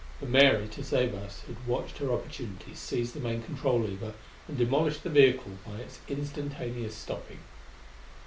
But Mary, to save us, had watched her opportunity, seized the main control lever and demolished the vehicle by its instantaneous stopping.